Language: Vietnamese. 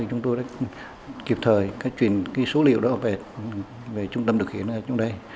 chúng tôi đã kịp thời truyền số liệu đó về trung tâm điều khiển ở trong đây